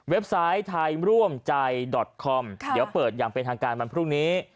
ไซต์ไทยร่วมใจดอตคอมเดี๋ยวเปิดอย่างเป็นทางการวันพรุ่งนี้